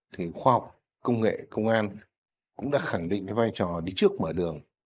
thì khoa học công nghệ công an cũng đã khẳng định cái vai trò đi trước mở đường